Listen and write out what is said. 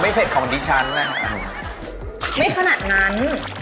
อ๋อไม่เผ็ดของออนดิชันนะยไม่ขนาดนั้น